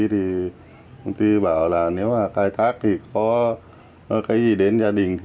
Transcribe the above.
công ty bảo là nếu là cài thác thì có cái gì đến gia đình